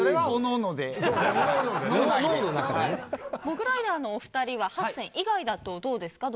モグライダーのお二人は８選以外だとどうですか？